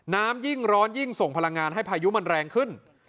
น้ำยิ่งร้อนยิ่งส่งพลังงานให้พายุมันแรงขึ้น